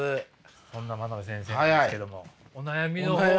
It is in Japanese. そんな真鍋先生なんですけどもお悩みの方を。